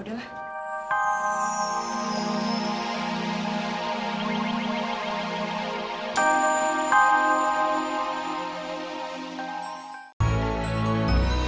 kita pay perbelanjaan